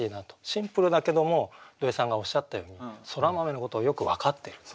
シンプルだけども土井さんがおっしゃったようにそら豆のことをよく分かっていると。